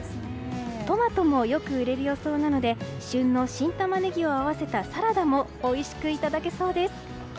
トマトもよく売れる予想なので旬の新タマネギを合わせたサラダもおいしくいただけそうです。